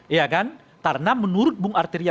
iya kan karena menurut bung arteria